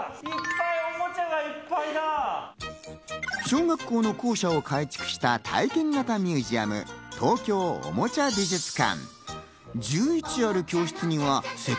小学校の校舎を改築した体験型ミュージアム、東京おもちゃ美術館。